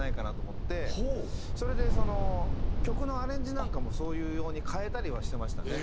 それで曲のアレンジなんかもそういう用に変えたりはしてましたね。